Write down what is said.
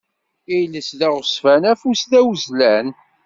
Iles d aɣezfan, afus d awezlan.